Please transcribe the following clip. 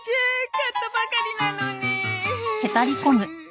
買ったばかりなのに。